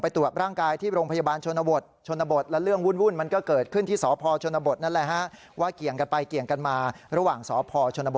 พรชนบทกับสเพววังใหญ่นะครับ